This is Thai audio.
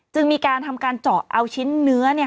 จึงมีการทำการเจาะเอาชิ้นเนื้อ